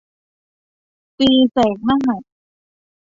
ตีแสกหน้า